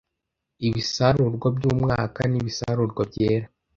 ibisarurwa byumwaka nibisarurwa byera